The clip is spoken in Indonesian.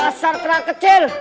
dasar kera kecil